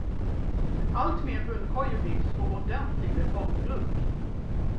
Alltmer hundkojor byggs på ordentlig betonggrund.